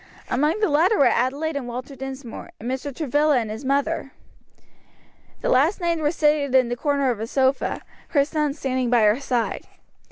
Among the latter were Adelaide and Walter Dinsmore, and Mr. Travilla and his mother. The last named was seated in the corner of a sofa, her son standing by her side.